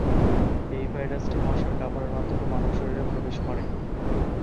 এই ভাইরাসটি মশার কামড়ের মাধ্যমে মানব শরীরে প্রবেশ করে।